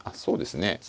そうですね。